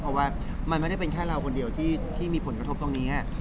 เพราะว่ามันไม่ได้เป็นแค่เราคนเดียวที่มีผลกระทบตรงนี้